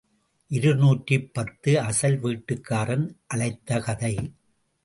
இருநூற்று பத்து அசல் வீட்டுக்காரன் அழைத்த கதை.